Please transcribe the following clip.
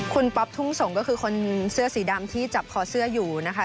คุณป๊อปทุ่งสงศก็คือคนเสื้อสีดำที่จับคอเสื้ออยู่นะคะ